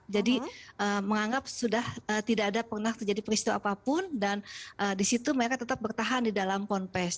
jadi menganggap sudah tidak ada pernah terjadi peristiwa apapun dan disitu mereka tetap bertahan di dalam konfes